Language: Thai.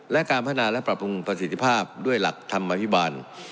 และการพัฒนาและปรับปรุงประสิทธิภาพด้วยหลักธรรมอภิบาล